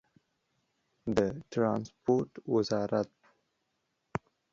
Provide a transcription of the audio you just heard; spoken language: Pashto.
د ټرانسپورټ وزارت